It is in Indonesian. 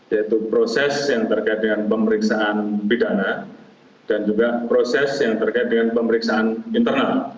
yaitu proses yang terkait dengan pemeriksaan pidana dan juga proses yang terkait dengan pemeriksaan internal